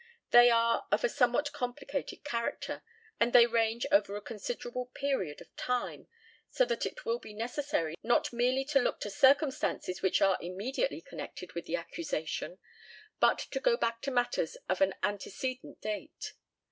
They are of a somewhat complicated character, and they range over a considerable period of time, so that it will be necessary not merely to look to circumstances which are immediately connected with the accusation, but to go back to matters of an antecedent date.